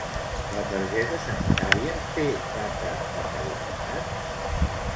La targeta sanitària té data de caducitat?